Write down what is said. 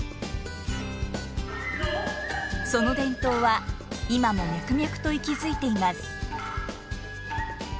その伝統は今も脈々と息づいています。